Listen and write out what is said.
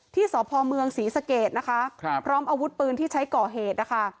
ที่สอบพอเมืองศรีสเกตนะคะครับพร้อมอาวุธปืนที่ใช้ก่อเหตุนะคะ